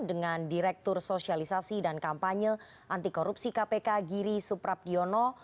dengan direktur sosialisasi dan kampanye antikorupsi kpk giri suprabdiono